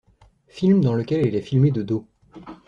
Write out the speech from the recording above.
Film dans lequel elle est filmée de dos.